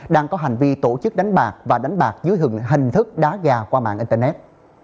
và hành vi tổ chức đánh bạc và đánh bạc dưới hình thức đá gà qua mạng internet